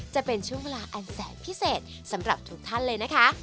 จะเป็นช่วงเวลาอันแสนพิเศษสำหรับทุกท่านเลยนะคะ